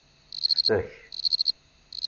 Ftek.